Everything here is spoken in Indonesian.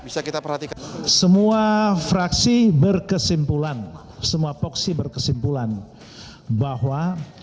semua fraksi berkesimpulan semua poksi berkesimpulan bahwa